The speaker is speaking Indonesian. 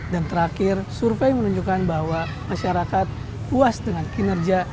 dan terakhir survei menunjukkan bahwa masyarakat puas dengan kinerja